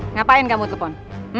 ngapain kamu telfon